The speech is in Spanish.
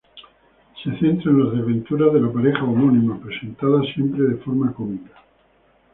Se centra en las desventuras de la pareja homónima, presentadas siempre de forma cómica.